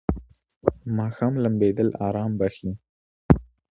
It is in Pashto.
ماښام لمبېدل آرام بخښي.